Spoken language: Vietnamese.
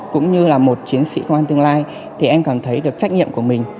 cũng như là một chiến sĩ công an tương lai thì em cảm thấy được trách nhiệm của mình